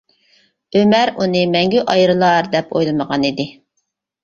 ئۆمەر ئۇنى مەڭگۈ ئايرىلار دەپ ئويلىمىغان ئىدى.